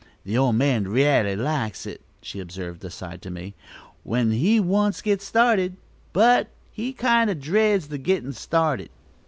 The old man r'aly likes it," she observed aside to me; "when he once gets started, but he kind o' dreads the gittin' started."